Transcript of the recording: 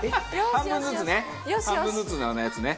半分ずつのあのやつね。